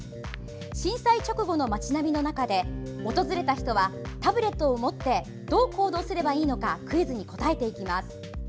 震災直後の街並みの中で訪れた人はタブレットを持ってどう行動すればいいのかクイズに答えていきます。